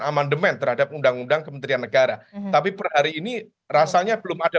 amandemen terhadap undang undang kementerian negara tapi per hari ini rasanya belum ada